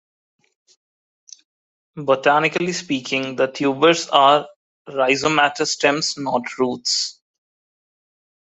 Botanically speaking, the tubers are rhizomatous stems, not roots.